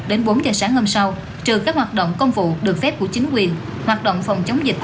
đến bốn giờ sáng hôm sau trừ các hoạt động công vụ được phép của chính quyền hoạt động phòng chống dịch